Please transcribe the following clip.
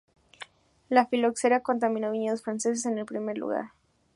La filoxera contaminó viñedos franceses en primer lugar.